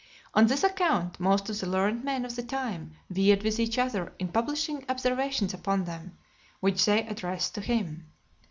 On this account, most of the learned men of the time vied with each other in publishing observations upon them, which they addressed to him.